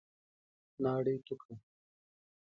ناړي تو کړه !